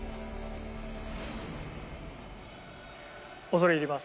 恐れ入ります。